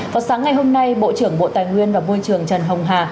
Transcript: họt sáng ngày hôm nay bộ trưởng bộ tài nguyên và bôi trường trần hồng hà